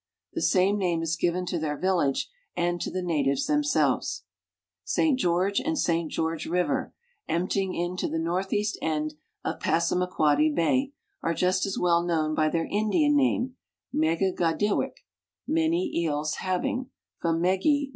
The same name is given to their village and to the natives themselves. St George and St George river, emptying into the northeast end of Passamaquoddy bay, are just as well known bj' their Indian name, Megigadewik, "many eels having ;" from megi